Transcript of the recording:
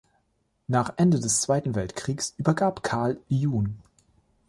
Nach Ende des Zweiten Weltkrieges übergab Karl jun.